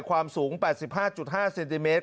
ความสูง๘๕๕เซนติเมตร